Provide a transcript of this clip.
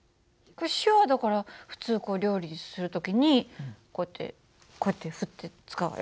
塩はだから普通料理する時にこうやってこうやって振って使うわよ。